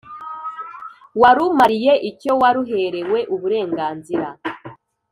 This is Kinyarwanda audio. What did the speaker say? warumariye icyo waruherewe uburenganzira,